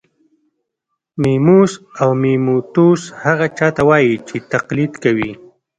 میموس او میموتوس هغه چا ته وايي چې تقلید کوي